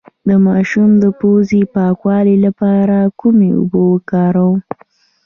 د ماشوم د پوزې د پاکوالي لپاره کومې اوبه وکاروم؟